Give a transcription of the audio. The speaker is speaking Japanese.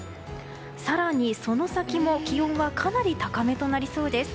更に、その先も気温はかなり高めとなりそうです。